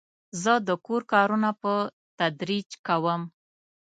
زه د کور کارونه په تدریج کوم.